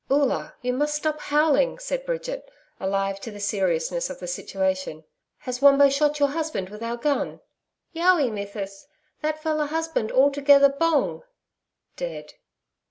'Oola, you must stop howling!' said Bridget, alive to the seriousness of the situation. 'Has Wombo shot your husband with our gun?' 'YOWI, Mithis. That feller husband altogether BONG' (dead).